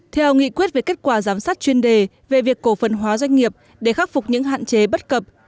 theo nghị quyết về kết quả giám sát chuyên đề về việc cổ phần hóa doanh nghiệp để khắc phục những hạn chế bất cập